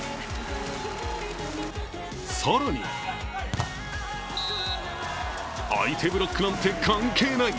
更に相手ブロックなんて関係ない！